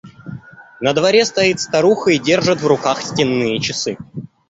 На дворе стоит старуха и держит в руках стенные часы.